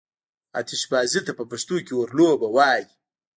آتشبازي ته په پښتو کې اورلوبه وايي.